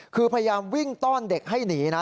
คือพยายามวิ่งต้อนเด็กให้หนีนะ